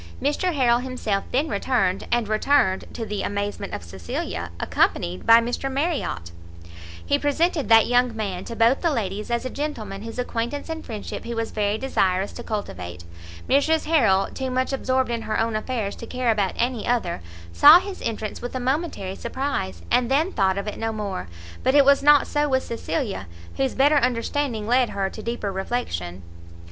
Mr Harrel himself then returned, and returned, to the amazement of Cecilia, accompanied by Mr Marriot. He presented that young man to both the ladies as a gentleman whose acquaintance and friendship he was very desirous to cultivate. Mrs Harrel, too much absorbed in her own affairs to care about any other, saw his entrance with a momentary surprise, and then thought of it no more; but it was not so with Cecilia, whose better understanding led her to deeper reflection.